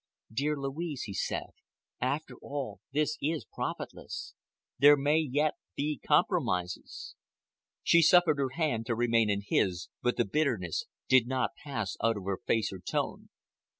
"Dear Louise," he said, "after all, this is profitless. There may yet be compromises." She suffered her hand to remain in his, but the bitterness did not pass out of her face or tone.